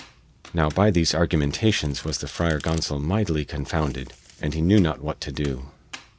Now by these argumentations was the Friar Gonsol mightily confounded, and he knew not what to do.